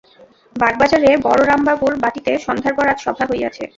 বাগবাজারে বলরামবাবুর বাটীতে সন্ধ্যার পর আজ সভা হইয়াছে।